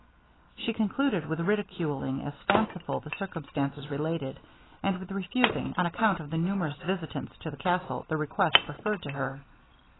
She concluded with ridiculing as fanciful the circumstances related, and with refusing, on account of the numerous visitants at the castle, the request preferred to her.